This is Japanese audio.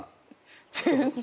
全然！